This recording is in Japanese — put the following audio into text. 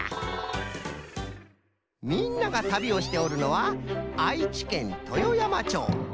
みんなが旅をしておるのは愛知県豊山町。